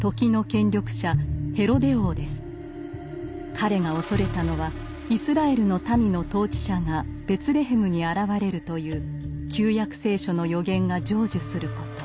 彼が恐れたのはイスラエルの民の統治者がベツレヘムに現れるという「旧約聖書」の預言が成就すること。